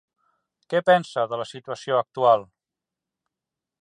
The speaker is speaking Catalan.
Què pensa de la situació actual?